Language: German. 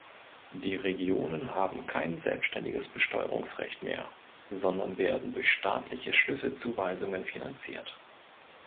Die Regionen haben kein selbständiges Besteuerungsrecht mehr, sondern werden durch staatliche Schlüsselzuweisungen finanziert.